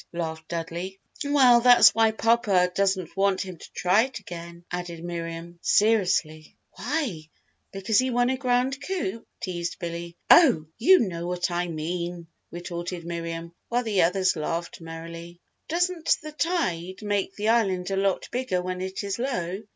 laughed Dudley. "Well, that's why Papa doesn't want him to try it again," added Miriam, seriously. "Why because he won a Grand coup?" teased Billy. "Oh, you know what I mean!" retorted Miriam, while the others laughed merrily. "Doesn't the tide make the island a lot bigger when it is low?"